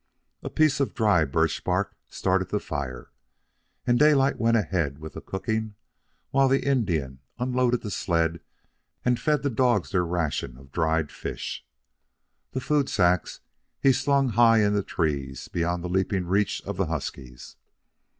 A piece of dry birch bark started the fire, and Daylight went ahead with the cooking while the Indian unloaded the sled and fed the dogs their ration of dried fish. The food sacks he slung high in the trees beyond leaping reach of the huskies.